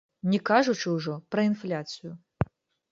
Не кажучы ўжо пра інфляцыю!